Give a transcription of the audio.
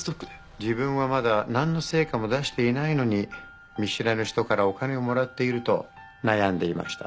自分はまだなんの成果も出していないのに見知らぬ人からお金をもらっていると悩んでいました。